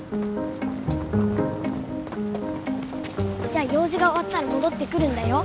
じゃあ用事が終わったら戻ってくるんだよ。